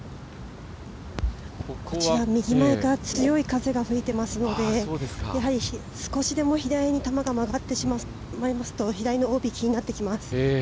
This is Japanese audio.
こちら右前から、強い風が吹いていますので少しでも左に球が曲がってしまいますと左のＯＢ気になってきます。